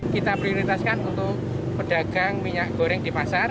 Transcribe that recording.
kita prioritaskan untuk pedagang minyak goreng di pasar